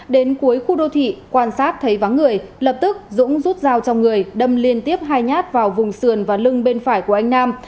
đến cuối khu đô thị quan sát thấy vắng người lập tức dũng rút dao trong người đâm liên tiếp hai nhát vào vùng sườn và lưng bên phải của anh nam